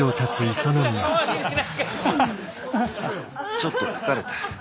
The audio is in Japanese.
ちょっと疲れた。